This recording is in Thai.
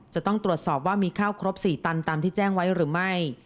จะต้องตรวจสอบว่ามีข้าวครบ๔ตันตามที่แจ้งไว้หรือไม่